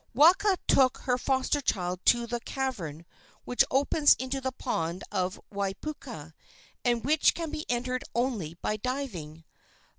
Waka took her foster child to the cavern which opens into the pond of Waiapuka, and which can be entered only by diving.